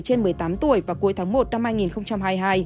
trên một mươi tám tuổi vào cuối tháng một năm hai nghìn hai mươi hai